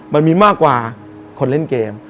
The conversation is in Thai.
มันมีมากกว่าคนเล่นเกม